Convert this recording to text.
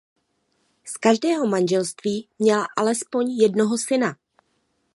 Z každého manželství měla alespoň jednoho syna.